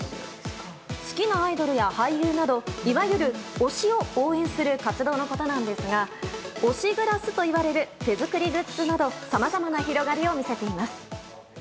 好きなアイドルや俳優などいわゆる推しを応援する活動のことなんですが推しグラスといわれる手作りグッズなどさまざまな広がりを見せています。